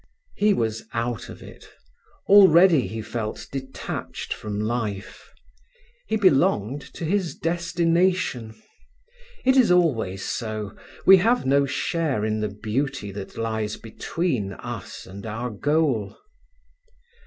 He was out of it. Already he felt detached from life. He belonged to his destination. It is always so: we have no share in the beauty that lies between us and our goal.